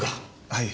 はい。